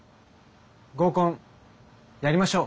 合コンやりましょう。